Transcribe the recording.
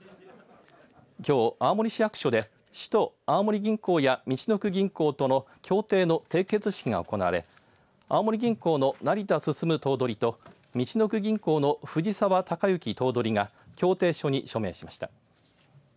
きょう青森市役所で市と青森銀行やみちのく銀行との協定の締結式が行われ青森銀行の成田晋頭取とみちのく銀行の藤澤貴之頭取が協定書に署名しました。